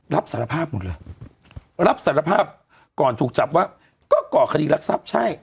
รับสารภาพหมดเลยรับสารภาพก่อนถูกจับว่าก็ก่อคดีรักทรัพย์ใช่